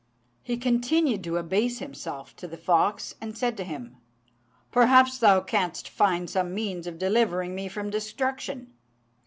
'" He continued to abase himself to the fox, and said to him, "Perhaps thou canst find some means of delivering me from destruction."